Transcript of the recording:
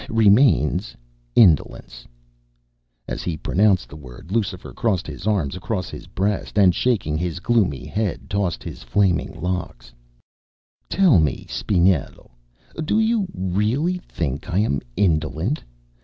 Remains Indolence." As he pronounced the word, Lucifer crossed his arms across his breast, and shaking his gloomy head, tossed his flaming locks: "Tell me, Spinello, do you really think I am indolent?